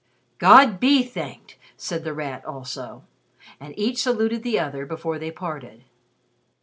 "God be thanked!" said The Rat, also. And each saluted the other before they parted.